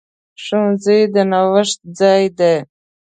ښوونځی د نوښت ځای دی.